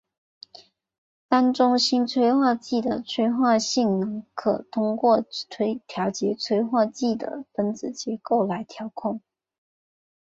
单中心催化剂的催化性能可通过调节催化剂的分子结构来调控。